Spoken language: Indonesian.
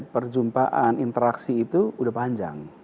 perjumpaan interaksi itu udah panjang